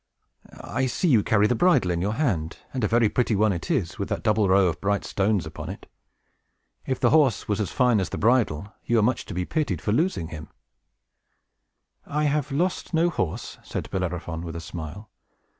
I see you carry the bridle in your hand; and a very pretty one it is with that double row of bright stones upon it. If the horse was as fine as the bridle, you are much to be pitied for losing him." "I have lost no horse," said Bellerophon, with a smile.